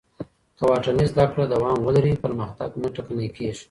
که واټني زده کړه دوام ولري، پرمختګ نه ټکنی کېږي.